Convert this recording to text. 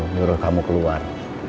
nurut kamu keluar